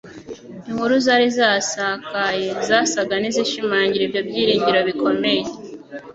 Inkuru zari zasakaye, zasaga n'izishimangira ibyo byiringiro bikomeye.